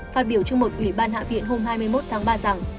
phát biểu trong một ủy ban hạ viện hôm hai mươi một tháng ba rằng